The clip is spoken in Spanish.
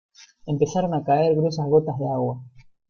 empezaron a caer gruesas gotas de agua.